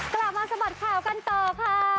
กลับมาสะบัดข่าวกันต่อค่ะ